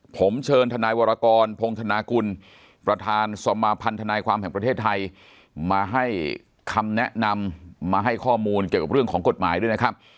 ผมเชิญทนายวรกรพงธนากุลประธานสมาพันธนายความแห่งประเทศไทยมาให้คำแนะนำมาให้ข้อมูลเกี่ยวกับเรื่องของกฎหมายด้วยนะครับ